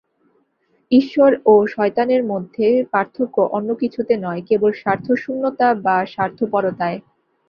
ঈশ্বর ও শয়তানের মধ্যে পার্থক্য অন্য কিছুতে নয়, কেবল স্বার্থশূন্যতা বা স্বার্থপরতায়।